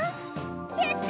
やった！